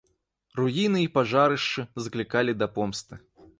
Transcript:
Руіны і пажарышчы заклікалі да помсты.